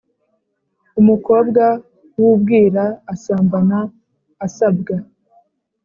Umukobwa w’ubwira asambana asabwa.